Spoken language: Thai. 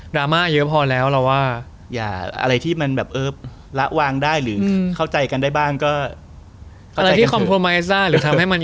ดราม่าเยอะพอแล้วเราว่า